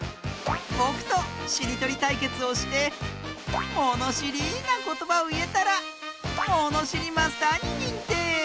ぼくとしりとりたいけつをしてものしりなことばをいえたらものしりマスターににんてい！